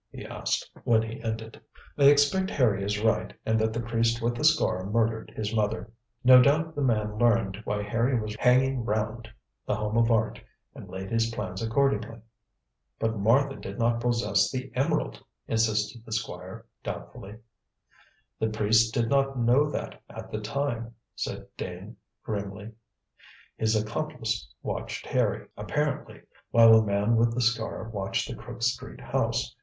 he asked, when he ended. "I expect Harry is right, and that the priest with the scar murdered his mother. No doubt the man learned why Harry was hanging round the Home of Art and laid his plans accordingly." "But Martha did not possess the emerald!" insisted the Squire, doubtfully. "The priest did not know that at the time," said Dane, grimly; "his accomplice watched Harry, apparently, while the man with the scar watched the Crook Street house.